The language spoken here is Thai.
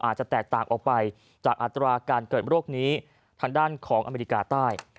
อาจจะแตกต่างออกไปจากอัตราการเกิดโรคนี้ทางด้านของอเมริกาใต้